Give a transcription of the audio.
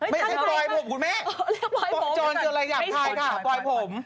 ไม่ไม่ปล่อยผมคุณแม่ปล่อยผมค่ะปล่อยผม